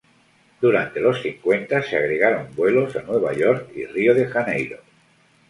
Durante los cincuenta, se agregaron vuelos a Nueva York y Río de Janeiro.